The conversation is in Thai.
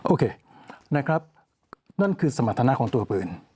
โอเคนะครับนั่นคือสมรรถนะของตัวปืน